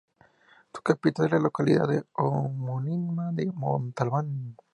Su capital es la localidad homónima de Montalbán.